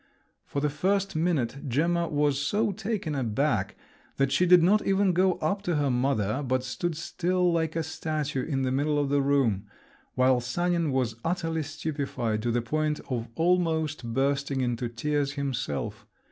For the first minute Gemma was so taken aback that she did not even go up to her mother, but stood still like a statue in the middle of the room; while Sanin was utterly stupefied, to the point of almost bursting into tears himself!